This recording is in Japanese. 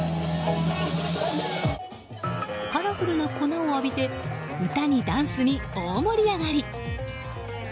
カラフルな粉を浴びて歌にダンスに大盛り上がり。